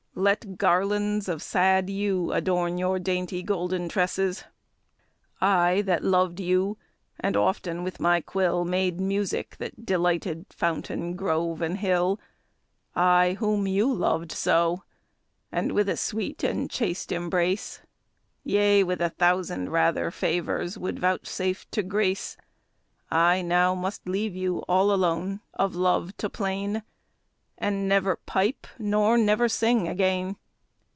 Let garlands of sad yew Adorn your dainty golden tresses. I, that loved you, and often with my quill, Made music that delighted fountain, grove, and hill; I, whom you loved so, and with a sweet and chaste embrace. Yea, with a thousand rather favours, would vouchsafe to grace, I now must leave you all alone, of love to plain; And never pipe, nor never sing again!